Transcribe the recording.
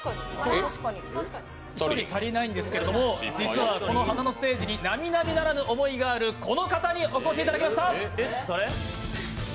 １人足りないんですけれども実はこの華のステージになみなみならぬ思いがある、この方にお越しいただきました。